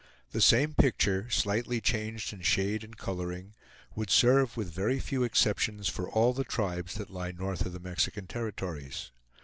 The same picture, slightly changed in shade and coloring, would serve with very few exceptions for all the tribes that lie north of the Mexican territories.